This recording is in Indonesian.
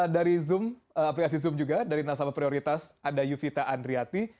dari zoom aplikasi zoom juga dari nasabah prioritas ada yuvita andriati